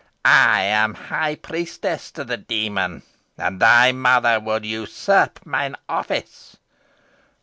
I am high priestess to the Demon, and thy mother would usurp mine office."